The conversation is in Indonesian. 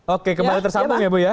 oke kembali tersambung ya bu ya